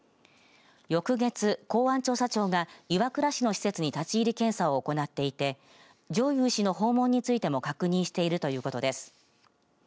翌月、公安調査庁が岩倉市の施設に立ち入り検査を行っていて上祐氏の訪問についても確認しているということです。